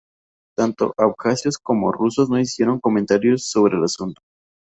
Tanto Abjasios como rusos no hicieron comentarios sobre el asunto.